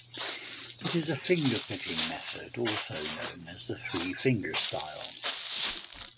It is a fingerpicking method, also known as three-finger style.